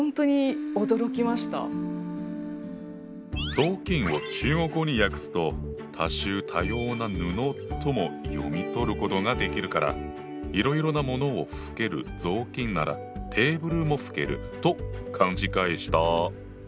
「雑巾」を中国語に訳すと「多種多様な布」とも読み取ることができるからいろいろなものを拭ける雑巾ならテーブルも拭けると勘違いした。